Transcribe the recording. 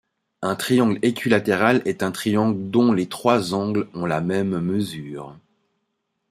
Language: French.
Un triangle équilatéral est un triangle dont les trois angles ont la même mesure.